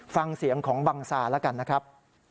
ฟังเสียงของบังซาแล้วกันนะครับ